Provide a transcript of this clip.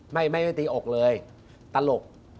ไม่ไม่ตีอกเลยตลก